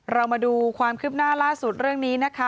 เรามาดูความคืบหน้าล่าสุดเรื่องนี้นะคะ